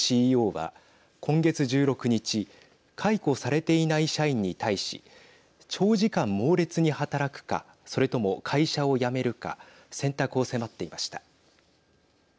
ＣＥＯは今月１６日解雇されていない社員に対し長時間、猛烈に働くかそれとも会社を辞めるか選択を迫っていました。